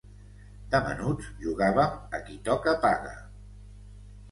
De menuts, jugavem a "qui toca, paga"